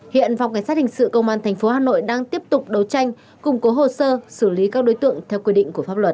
hiện phòng cảnh sát hình sự công an tp hà nội đang tiếp tục đấu tranh củng cố hồ sơ xử lý các đối tượng theo quy định của pháp luật